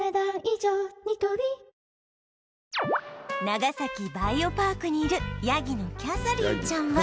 長崎バイオパークにいるヤギのキャサリンちゃんは